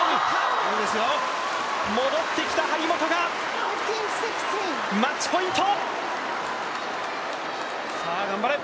戻ってきた張本がマッチポイント！